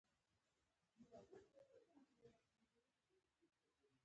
دا یو تاریخي ښار دی.